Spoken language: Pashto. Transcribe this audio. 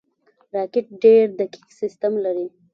راکټ ډېر دقیق سیستم لري